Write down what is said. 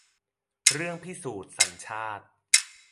เรื่องพิสูจน์สัญชาติ